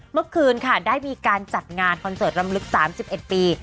เมื่อคืนค่ะได้มีการจัดงานคอนเสิร์ตรำลึก๓๑ปี